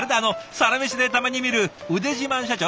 「サラメシ」でたまに見る腕自慢社長。